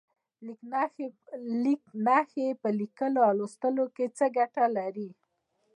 لیک نښې په لیکلو او لوستلو کې څه ګټه لري؟